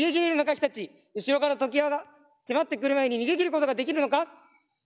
後ろから常磐が迫ってくる前に逃げきることができるのか？